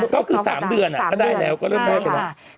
ก็คือ๓เดือนก็ได้แล้วก็เริ่มได้ไปแล้ว